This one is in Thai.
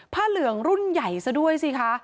เหลืองรุ่นใหญ่ซะด้วยสิคะ